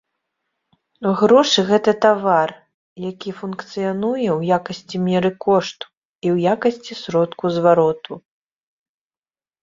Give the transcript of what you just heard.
Грошы гэта тавар, які функцыянуе ў якасці меры кошту і ў якасці сродку звароту.